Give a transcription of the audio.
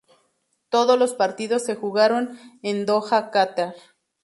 Todos los partidos se jugaron en Doha, Catar.